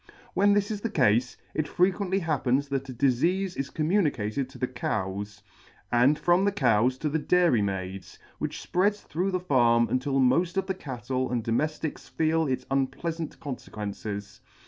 When this is the cafe, it frequently happens that a dif eafe is communicated to the Cows, and from the Cows to the Dairy maids, which fpreads through the farm until moft of the cattle and domeftics feel its unpleafant confequences.